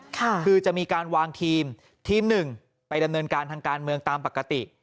คือจะมีการวางทีมทีมหนึ่งไปดำเนินการทางการเมืองตามปกติ